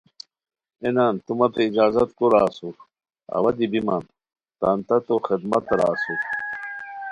اے نان تو متے اجازت کو را اسور، اوا دی بیمان تان تاتو خدمتہ را اسور